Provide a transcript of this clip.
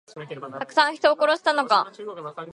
たくさんの人を殺したのか。